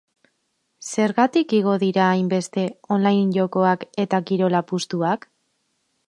Zergatik igo dira hainbeste online jokoak eta kirol apustuak?